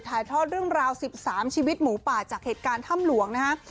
ถ่ายทอดเรื่องราว๑๓ชีวิตหมูป่าจากเหตุการณ์ถ้ำหลวงนะฮะ